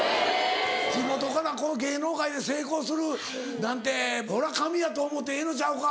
地元からこの芸能界で成功するなんてそれは神やと思ってええのちゃうか。